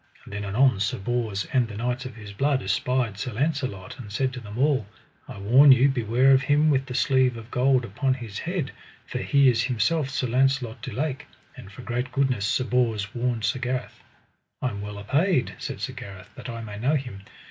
And then anon Sir Bors and the knights of his blood espied Sir Launcelot, and said to them all: I warn you beware of him with the sleeve of gold upon his head, for he is himself Sir Launcelot du Lake; and for great goodness Sir Bors warned Sir Gareth. I am well apaid, said Sir Gareth, that I may know him.